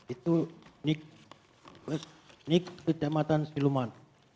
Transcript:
itu nik kejamatan siluman